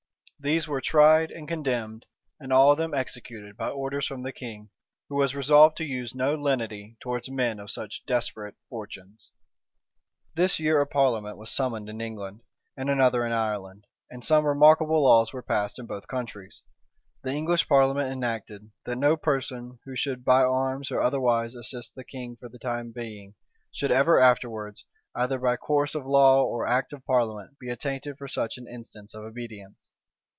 These were tried and condemned and all of them executed, by orders from the king, who was resolved to use no lenity towards men of such desperate fortunes.[*] * Polyd. Virg. p. 595. This year a parliament was summoned in England, and another in Ireland; and some remarkable laws were passed in both countries. The English parliament enacted, that no person who should by arms, or otherwise assist the king for the time being, should ever afterwards, either by course of law or act of parliament, be attainted for such an instance of obedience.